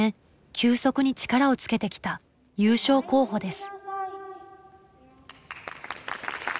急速に力をつけてきた優勝候補です。